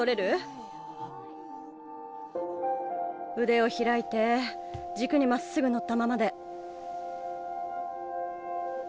腕を開いて軸にまっすぐ乗ったままで。